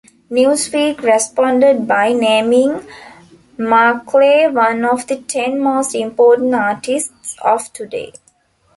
"Newsweek" responded by naming Marclay one of the ten most important artists of today.